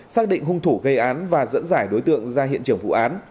xác định hung thủ gây án và dẫn dải đối tượng ra hiện trường vụ án